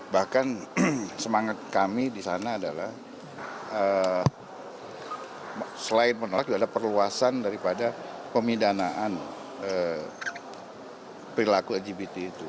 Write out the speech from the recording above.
bahkan semangat kami di sana adalah selain menolak juga ada perluasan daripada pemidanaan perilaku lgbt itu